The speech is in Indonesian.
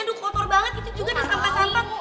aduh kotor banget itu juga udah sampah sampah